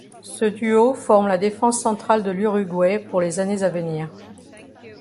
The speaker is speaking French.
Ce duo forme la défense centrale de l'Uruguay pour les années à venir.